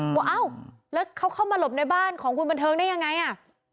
ว่าเอ้าแล้วเขาเข้ามาหลบในบ้านของคุณบันเทิงได้ยังไงอ่ะ